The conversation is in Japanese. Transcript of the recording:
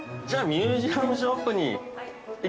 ミュージアムショップに行く？